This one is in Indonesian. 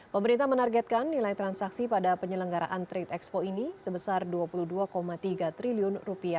pemerintah menargetkan nilai transaksi pada penyelenggaraan trade expo ini sebesar rp dua puluh dua tiga triliun